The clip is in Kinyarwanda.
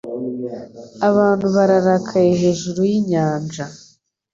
Abantu bararakaye hejuru y'inyanja